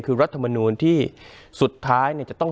คุณลำซีมัน